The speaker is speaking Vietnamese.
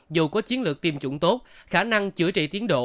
dù có chiến lược tiêm chủng tốt khả năng chữa trị tiến độ